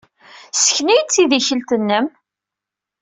Ssken-iyi-d tidikelt-nnem.